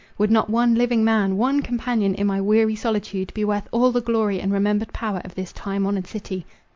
Would not one living man —one companion in my weary solitude, be worth all the glory and remembered power of this time honoured city?